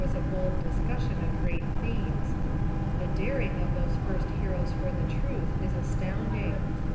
_,, bold discussion of great themes. The daring of those first heroes for tlie truth is astounding.